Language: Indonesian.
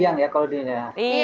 siang ya kalau di indonesia